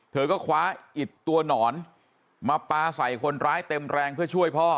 เธอก็คว้าอิดตัวหนอนมาปลาใส่คนร้ายเต็มแรงเพื่อช่วยพ่อ